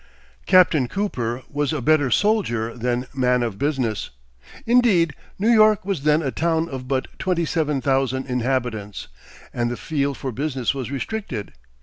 Captain Cooper was a better soldier than man of business. Indeed, New York was then a town of but twenty seven thousand inhabitants, and the field for business was restricted.